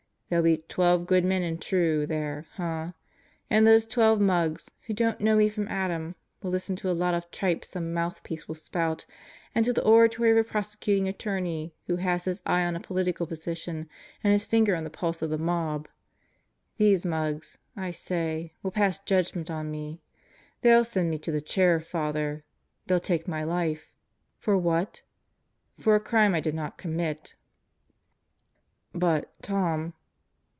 There'll be 'twelve good men and true 7 there, huh? And those twelve mugs, who don't know me from Adam, will listen to a lot of tripe some mouthpiece will spout and to the oratory of a Prosecuting Attorney who has his eye on a political position and his finger on the pulse of the mob; these mugs, I say, will pass judgment on me. They'll send me to the Chair, Father. They'll take my life. For what? For a crime I did not commit." "But, Tom